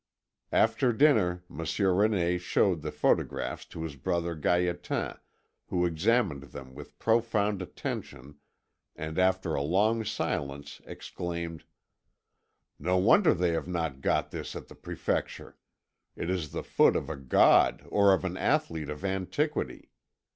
After dinner Monsieur René showed the photographs to his brother Gaétan, who examined them with profound attention, and after a long silence exclaimed: "No wonder they have not got this at the Prefecture; it is the foot of a god or of an athlete of antiquity.